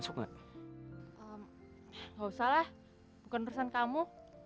bukan urusan kamu